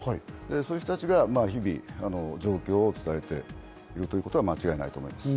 そういう人たちが日々、状況を伝えているということは間違いないと思います。